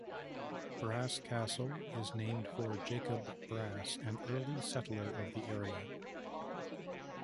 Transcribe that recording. Brass Castle is named for Jacob Brass, an early settler of the area.